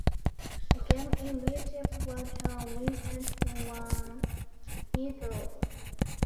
A game in which everyone can win and no one need lose.